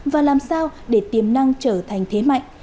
và làm sao để tiềm năng trở thành thế mạnh